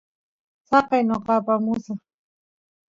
saqey noqa apamusaq